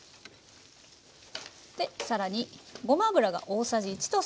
で更にごま油が大さじ１。